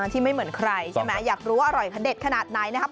ที่ไม่เหมือนใครใช่ไหมอยากรู้ว่าอร่อยเผ็ดขนาดไหนนะครับ